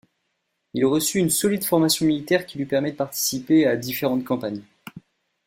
Il reçut une solide formation militaire qui lui permit de participer à différentes campagnes.